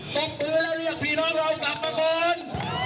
ตบมือแล้วเรียกพี่น้องเรากลับมาก่อน